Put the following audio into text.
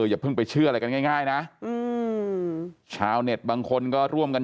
อย่าเพิ่งไปเชื่ออะไรกันง่ายนะชาวเน็ตบางคนก็ร่วมกัน